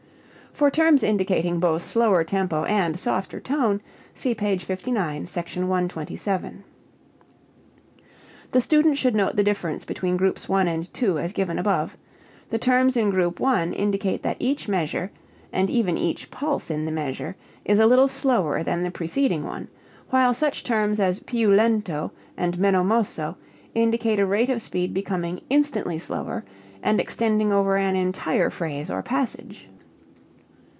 (For terms indicating both slower tempo and softer tone, see page 59, Sec. 127.) The student should note the difference between groups 1 and 2 as given above: the terms in group 1 indicate that each measure, and even each pulse in the measure, is a little slower than the preceding one, while such terms as più lento and meno mosso indicate a rate of speed becoming instantly slower and extending over an entire phrase or passage.